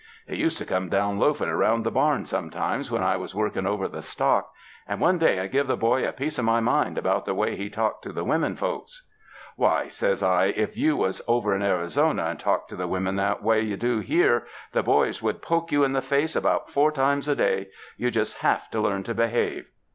He used to come down loafing around the barn some times when I was working over the stock, and one day I give the boy a piece of my mind about the way he talked to the women folks. " 'Why,' says I, 'if you was over in Arrzona and talked to the women the way you do here, the boys would poke you in the face about four times a day. You'd just have to learn to behave.'